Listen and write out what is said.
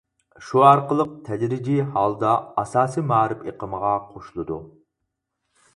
شۇ ئارقىلىق تەدرىجىي ھالدا ئاساسىي مائارىپ ئېقىمىغا قوشۇلىدۇ.